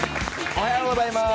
おはようございます。